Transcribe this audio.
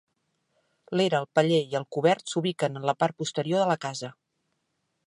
L'era, el paller i el cobert s'ubiquen en la part posterior de la casa.